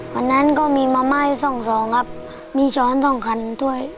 วันนั้นก็มีมาไหม้สองสองครับมีช้อนสองคันด้วย